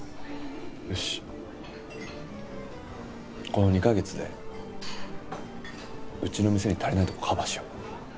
この２カ月でうちの店に足りないところをカバーしよう。